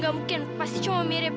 gak mungkin pasti cuma mirip